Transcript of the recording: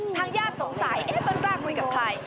ทางญาติสงสัยต้นกล้าคุยกับใคร